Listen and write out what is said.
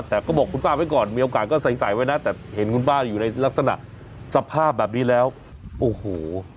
แต่ก็บอกคุณป้าไว้ก่อนมีโอกาสก็ใส่ใส่ไว้นะแต่เห็นคุณป้าอยู่ในลักษณะสภาพแบบนี้แล้วโอ้โห